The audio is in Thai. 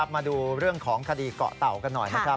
มาดูเรื่องของคดีเกาะเต่ากันหน่อยนะครับ